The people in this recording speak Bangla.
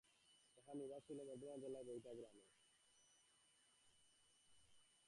তাঁহার নিবাস ছিল বর্ধমান জেলার ভৈটা গ্রামে।